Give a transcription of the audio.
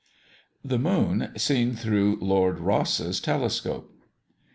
THE MOON SEEN THROUGH LORD ROSSE'S TELESCOPE.